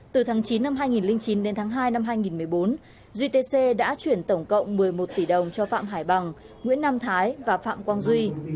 từ tháng chín năm hai nghìn chín đến tháng hai năm hai nghìn một mươi bốn gtc đã chuyển tổng cộng một mươi một tỷ đồng cho phạm hải bằng nguyễn nam thái và phạm quang duy